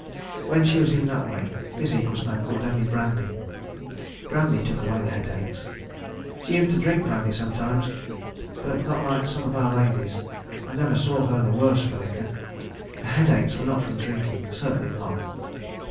When she was in that way physic was no good, only brandy. Brandy took away the headaches. She used to drink brandy sometimes, but not like some of our ladies. I never saw her the worse for liquor. Her headaches were not from drinking. Certainly not.